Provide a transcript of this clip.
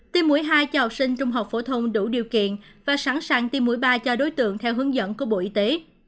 tiêm mũi hai cho học sinh trung học phổ thông đủ điều kiện và sẵn sàng tiêm mũi ba cho đối tượng theo hướng dẫn của bộ y tế